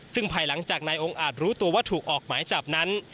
ซึ่งภายหลังจากนายองค์อาจรู้ตัวว่าถูกออกหมายจับนั้น